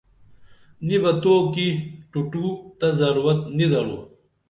نی بہ تو کی ٹُو ٹُو تہ ضرورت نی درو